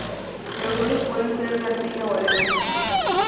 Los suelos pueden ser de arcilla o arena.